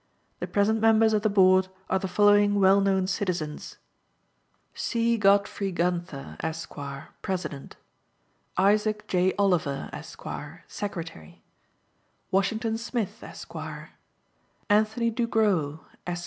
The present members of the Board are the following well known citizens: C. GODFREY GUNTHER, Esq., President. ISAAC J. OLIVER, Esq., Secretary. Washington Smith, Esq. Anthony Dugro, Esq.